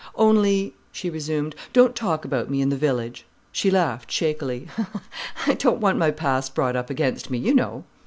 "Only," she resumed, "don't talk about me in the village." She laughed shakily. "I don't want my past brought up against me, you know."